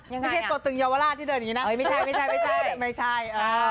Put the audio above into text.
ไม่ใช่ตัวตึงเยาวราชที่เดินอยู่นั้นอ้อยไม่ใช่